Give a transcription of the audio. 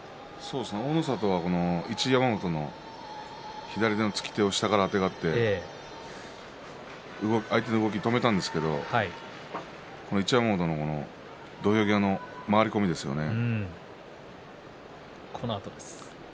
大の里は一山本の左のつき手を下からあてがって相手の動きを止めたんですが一山本の土俵際の回り込みですね。